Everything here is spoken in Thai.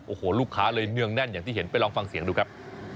โอ้โหลูกค้าเลยเนืองแน่นอย่างที่เห็นไปลองฟังเสียงดูครับ